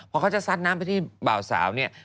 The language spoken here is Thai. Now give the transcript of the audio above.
พอเขาจะซัดน้ำไปที่บ่าวสาวเนี่ย